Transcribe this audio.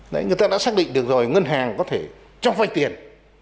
đấy người ta đã xác định được rồi ngân hàng có thể cho vay tiền